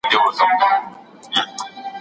د هرات د صنعت لپاره د پرمختګ کچه څنګه لوړیږي؟